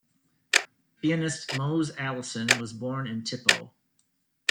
Pianist Mose Allison was born in Tippo.